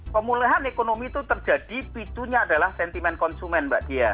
pemulihan ekonomi itu terjadi picunya adalah sentimen konsumen mbak dia